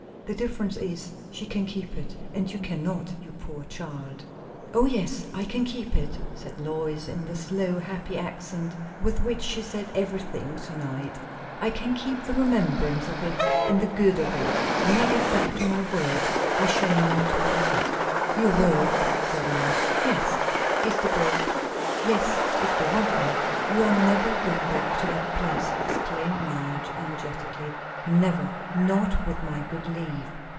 "The difference is, she can keep it, and you cannot, you poor child!" "O yes, I can keep it," said Lois, in the slow, happy accent with which she said everything to night; "I can keep the remembrance of it, and the good of it. When I get back to my work, I shall not want it." "Your work!" said Madge. "Yes." "Esterbrooke!" "Yes, if they want me." "You are never going back to that place!" exclaimed Madge energetically. "Never! not with my good leave.